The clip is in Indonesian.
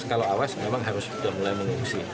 kalau awas memang harus sudah mulai mengungsi